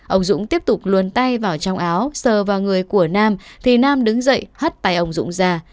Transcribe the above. ông dũng tiếp tục luân tay vào trong áo sờ vào người của nam thì nam đứng dậy hắt tay ông dũng ra